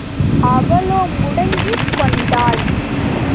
அவளோ முடங்கிக் கொண்டாள்.